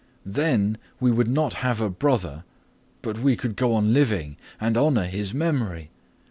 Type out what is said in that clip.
Then we would not have a brother, but we could go on living and honour his memory.